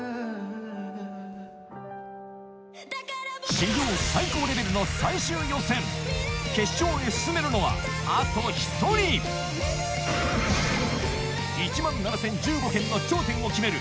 史上最高レベルの最終予選決勝へ進めるのはあと１人１万７０１５件の頂点を決める